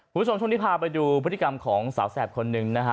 คุณผู้ชมช่วงนี้พาไปดูพฤติกรรมของสาวแสบคนหนึ่งนะฮะ